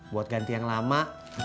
buat ganti yang lama